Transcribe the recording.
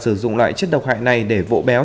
sử dụng loại chất độc hại này để vội béo